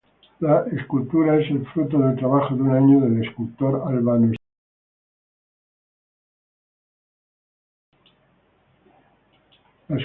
La escultura es el fruto del trabajo de un año del escultor albano-estadounidense.